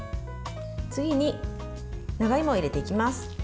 次に長芋を入れていきます。